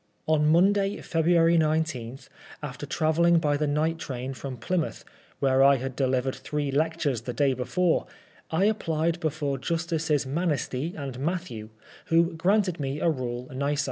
On Monday, February 19, after travelling by the night train from Plymouth, where I had de livered three lectures the day before, I applied before Justices Manisty and Matthew, who granted me a rule nisi.